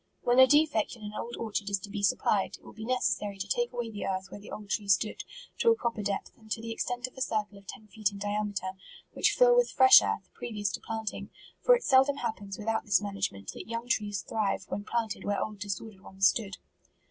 u When a defect in an old orchard is to be supplied, it will be necessary to take away the earth where the old tree stood, to a pro per depth, and to the extent of a circle of ten feet in diameter, which fill with fresh earth, previous to planting : for it seldom 40 MARCH. happens without this management, that young trees thrive, when planted where old disor dered ones stood.